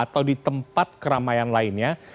atau di tempat keramaian lainnya